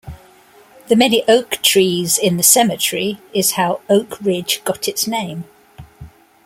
The many oak trees in the cemetery is how Oak Ridge got its name.